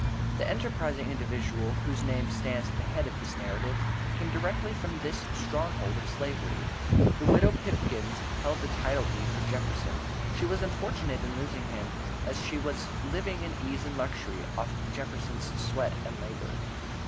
The enterprising individual, whose name stands at the head of this narrative, came directly from this stronghold of Slavery. The widow Pipkins held the title deed for Jefferson. She was unfortunate in losing him, as she was living in ease and luxury off of Jefferson's sweat and labor.